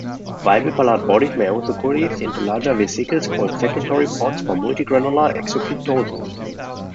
Weibel-Palade bodies may also coalesce into larger vesicles called secretory pods for multigranular exocytosis.